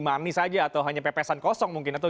mami saja atau hanya pepesan kosong mungkin atau